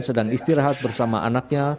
sedang istirahat bersama anaknya